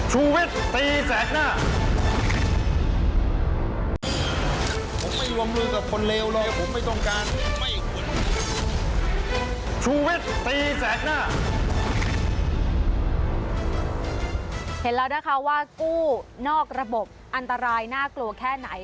เห็นแล้วนะคะว่ากู้นอกระบบอันตรายน่ากลัวแค่ไหน